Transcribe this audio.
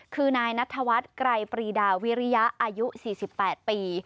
คือนายนัทวัฒน์ไกรปรีดาวิริยะอายุ๔๘ปี